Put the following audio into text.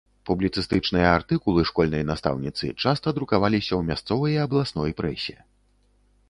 Публіцыстычныя артыкулы школьнай настаўніцы часта друкаваліся ў мясцовай і абласной прэсе.